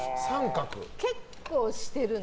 結構、してるね。